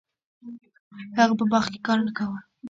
هغه په باغ کې کار نه کاوه.